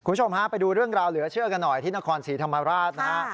คุณผู้ชมฮะไปดูเรื่องราวเหลือเชื่อกันหน่อยที่นครศรีธรรมราชนะฮะ